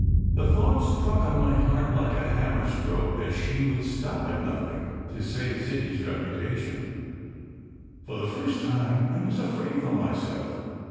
The thought struck on my heart like a hammer stroke that she would stop at nothing to save Sidney s reputation. For the first time, I was afraid for myself.